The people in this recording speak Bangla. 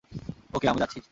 ওকে, আমি যাচ্ছি।